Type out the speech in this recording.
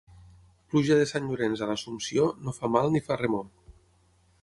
Pluja de sant Llorenç a l'Assumpció, no fa mal ni fa remor.